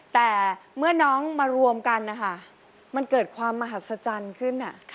แต่เมื่อน้องมารวมกันนะคะมันเกิดความมหัศจรรย์ขึ้น